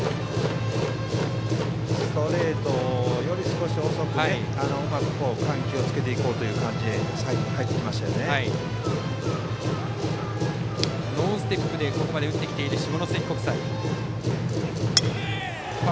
ストレートより少し遅くてうまく緩急をつけていこうという感じでノーステップで打ってきている下関国際。